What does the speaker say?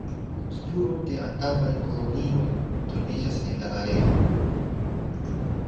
Spuroj de antaŭaj kolonioj troviĝis en la areo.